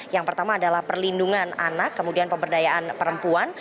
yang pertama adalah perlindungan anak kemudian pemberdayaan perempuan